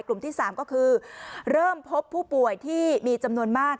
กลุ่มที่๓ก็คือเริ่มพบผู้ป่วยที่มีจำนวนมาก